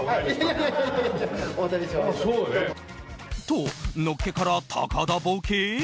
と、のっけから高田ボケ？